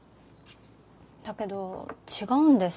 だけど違うんです。